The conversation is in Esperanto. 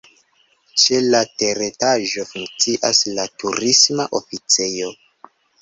Ĉe la teretaĝo funkcias la Turisma Oficejo.